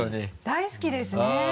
大好きですね。